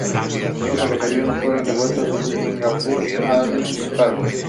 Todos los aviones fueron devueltos a Singapore Airlines Cargo.